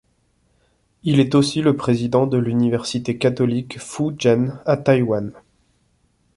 Il est aussi le président de l'Université Catholique Fu Jen à Taïwan.